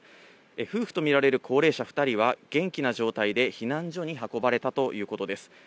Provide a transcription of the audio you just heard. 夫婦と見られる高齢者２人は、元気な状態で避難所に運ばれたということです。